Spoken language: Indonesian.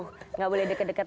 jauh gak boleh deket deket